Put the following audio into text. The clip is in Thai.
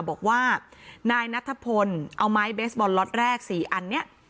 บอกว่านายนัทพลเอาไม้เบสบอลล็อตแรก๔อันเนี่ย